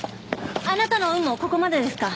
あなたの運もここまでですか？